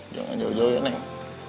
jangan jauh jauh ya neng